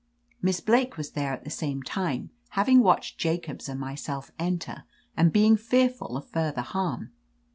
Miss Blake was there at the same time, having watched Jacobs and myself enter, and being fearful of further harm.